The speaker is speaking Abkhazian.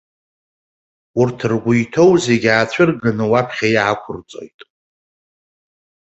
Урҭ ргәы иааҭоу зегьы аацәырганы уаԥхьа иаақәырҵоит.